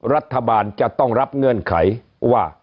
รัฐบาลจะต้องรับเงื่อนไขว่า